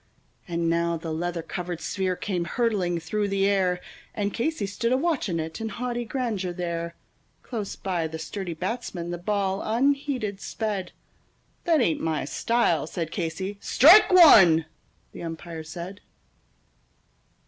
And now the leather covered sphere came hurtling through the air, And Casey stood a watching it in haughty grandeur there; Close by the sturdy batsman the ball unheeded sped: "That ain't my style," said Casey. "Strike one," the umpire said.